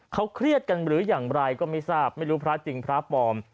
เขาเครียดกันหรืออย่างไรก็ไม่ทราบไม่รู้พระจริงพระปลอม